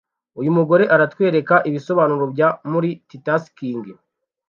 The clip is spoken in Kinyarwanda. Uyu mugore aratwereka ibisobanuro bya multitasking